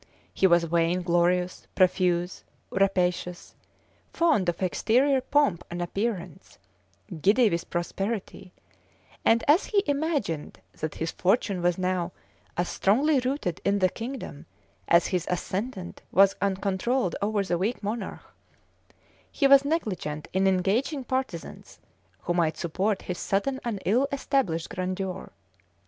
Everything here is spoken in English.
He was vain glorious, profuse, rapacious; fond of exterior pomp and appearance, giddy with prosperity; and as he imagined that his fortune was now as strongly rooted in the kingdom as his ascendant was uncontrolled over the weak monarch, he was negligent in engaging partisans, who might support his sudden and ill established grandeur.